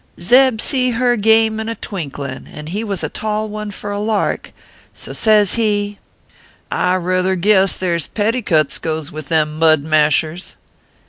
" Zeb see her game in a twinklin , and he was a tall one for a lark ; so says he :" I rayther guess there s petticuts goes with them mud mashers.